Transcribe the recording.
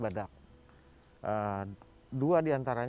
dua di antaranya hidup di indonesia